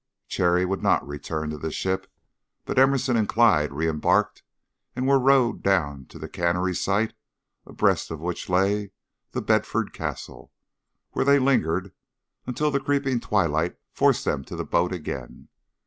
Cherry would not return to the ship, but Emerson and Clyde re embarked and were rowed down to the cannery site, abreast of which lay The Bedford Castle, where they lingered until the creeping twilight forced them to the boat again.